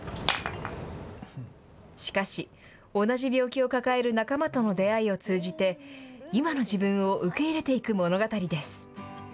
しかし、同じ病気を抱える仲間との出会いを通じて今の自分を受け入れていく物語です。